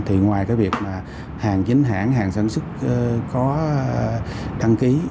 thì ngoài cái việc mà hàng chính hãng hàng sản xuất có đăng ký